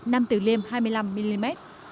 nam tử liêm hai mươi năm mm